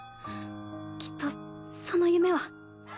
きっとその夢は。